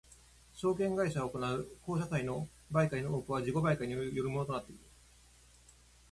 証券会社が行う公社債の売買の多くは自己売買によるものとなっている。